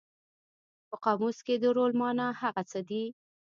په قاموس کې د رول مانا هغه څه دي.